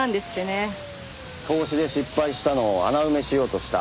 投資で失敗したのを穴埋めしようとした。